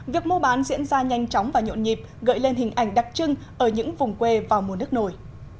việc mua bán diễn ra nhanh chóng và nhộn nhịp gợi lên hình ảnh đặc trưng ở những vùng quê vào mùa nước nổi